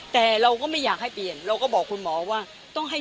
แต่เราก็ไม่อยากให้เปลี่ยนเราก็บอกคุณหมอว่าต้องให้